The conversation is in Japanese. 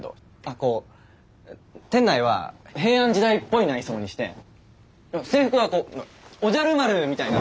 こう店内は平安時代っぽい内装にして制服はこうおじゃる丸みたいな。